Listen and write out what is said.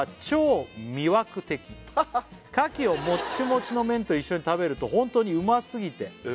「超魅惑的」ハハッ「牡蠣をもっちもちの麺と一緒に食べると本当にうますぎて」